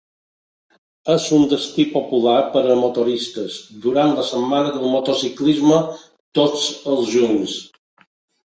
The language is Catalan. És un destí popular per a motoristes durant la setmana del motociclisme tots els junys.